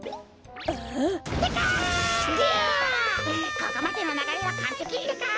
ここまでのながれはかんぺきってか！